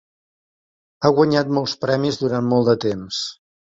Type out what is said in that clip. Ha guanyat molts premis durant molt de temps.